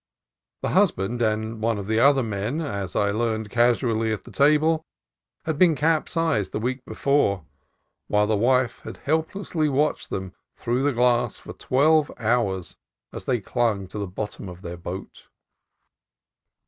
The husband and one of the other men, as I learned casually at table, had been capsized the week before, while the wife had helplessly watched them through the glass for twelve hours as they clung to the bottom of their boat.